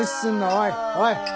おいおい。